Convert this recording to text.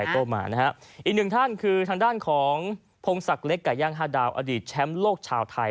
ก็มานะฮะอีกหนึ่งท่านคือทางด้านของพงศักดิ์เล็กไก่ย่างฮาดาวอดีตแชมป์โลกชาวไทย